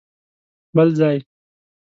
بل ځای؟!